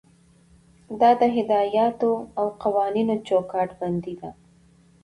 دا د هدایاتو او قوانینو چوکاټ بندي ده.